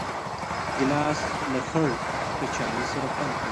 ګیلاس له خړ کچالو سره خوند کوي.